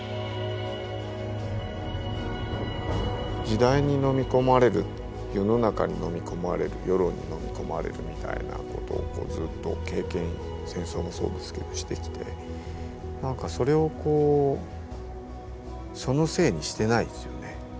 時代にのみ込まれる世の中にのみ込まれる世論にのみ込まれるみたいなことをずっと経験戦争もそうですけどしてきて何かそれをこうそのせいにしてないですよね。